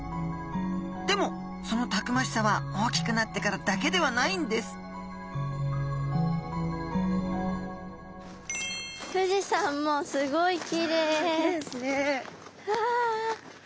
でもそのたくましさは大きくなってからだけではないんです富士山もすごいきれい。わきれいですね。わ！